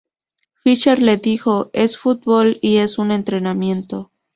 Fisher le dijo "Es fútbol y es un entrenamiento".